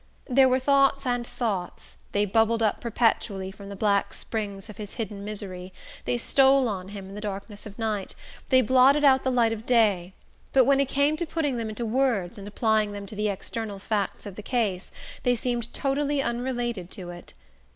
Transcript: There were thoughts and thoughts: they bubbled up perpetually from the black springs of his hidden misery, they stole on him in the darkness of night, they blotted out the light of day; but when it came to putting them into words and applying them to the external facts of the case, they seemed totally unrelated to it.